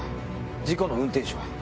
事故の運転手は？